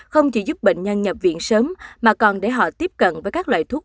không chỉ giúp bệnh nhân nhập viện sớm mà còn để họ tiếp cận với các loại thuốc